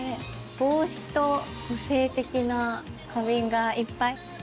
帽子と個性的な花瓶がいっぱい。